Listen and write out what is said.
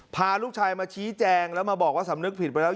พาลูกชายมาชี้แจงแล้วมาบอกว่าสำนึกผิดไปแล้ว